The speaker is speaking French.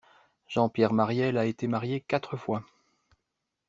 Jean-Pierre Marielle a été marié quatre fois.